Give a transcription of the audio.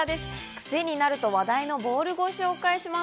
クセになると話題のボールをご紹介します。